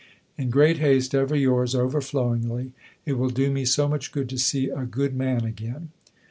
In great haste, ever yours overflowingly. It will do me so much good to see a good man again.